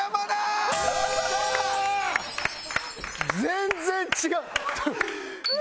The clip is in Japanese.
全然違う！